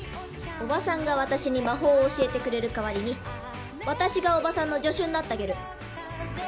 おばさんが私に魔法を教えてくれる代わりに私が、おばさんの助手になってあげる。